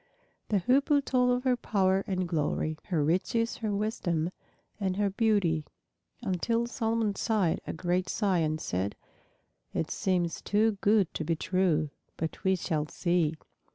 The Hoopoe told of her power and glory, her riches, her wisdom, and her beauty, until Solomon sighed a great sigh and said, "It seems too good to be true! But we shall see."